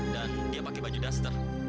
dan dia pakai baju duster